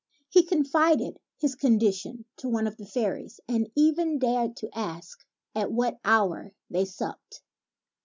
He confided his condition to one of the fairies and even dared to ask at what hour they supped.